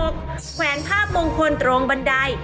แขวนภาพมงคลตรงบันได